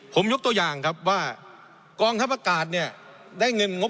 ผมยกตัวอย่างครับว่ากองทัพอากาศเนี่ยได้เงินงบ